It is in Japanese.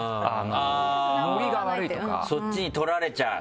そっちに取られちゃう。